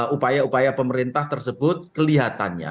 upaya upaya pemerintah tersebut kelihatannya